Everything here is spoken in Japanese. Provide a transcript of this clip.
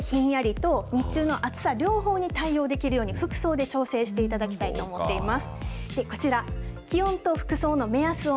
なので、朝晩のひんやりと日中の暑さ両方に対応できるように、服装で調整していただきたいと思っています。